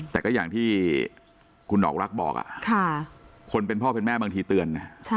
แต่ก็อย่างที่คุณดอกรักบอกคนเป็นพ่อเป็นแม่บางทีเตือนนะ